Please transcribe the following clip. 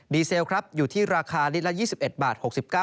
ดีเซลอยู่ที่ราคาลิตรละ๒๑๖๙บาท